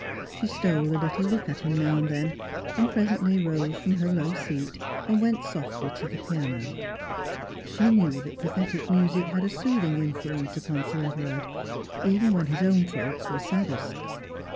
She stole a little look at him now and then, and presently rose from her low seat and went softly to the piano. She knew that pathetic music had a soothing influence upon Sir Everard, even when his own thoughts were saddest.